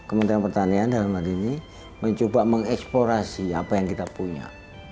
kementerian pertanian dalam hal ini mencoba mengeksplorasi apa yang kita punya